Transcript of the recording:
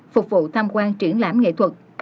phục vụ tham quan triển lãm nghệ thuật